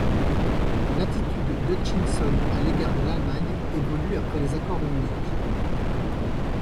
L'attitude d'Hutchison à l'égard de l'Allemagne évolue après les accords de Munich.